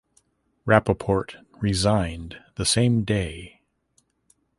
Rapoport resigned the same day.